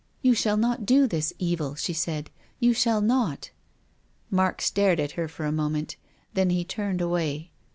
"You shall not do this evil," she said. " You shall not." Mark stared at her for a moment. Then he turned away.